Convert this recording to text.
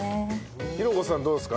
ひろ子さんどうですか？